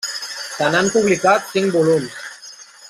Se n'han publicat cinc volums.